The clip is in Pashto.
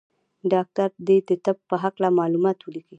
ډاکټر دي د طب په هکله معلومات ولیکي.